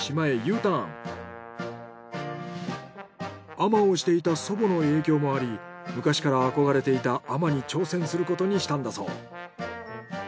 海女をしていた祖母の影響もあり昔から憧れていた海女に挑戦することにしたんだそう。